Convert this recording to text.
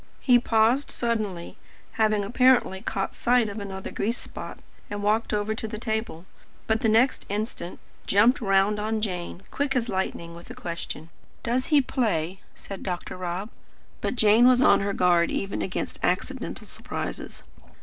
He paused suddenly, having apparently caught sight of another grease spot, and walked over to the table; but the next instant jumped round on Jane, quick as lightning, with a question. "Does he play?" said Dr. Rob. But Jane was on her guard, even against accidental surprises.